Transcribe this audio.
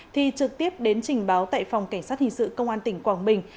thì trực tiếp đến trình báo tại phòng cảnh sát hình sự công an tỉnh quảng bình